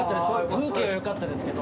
空気はよかったですけど。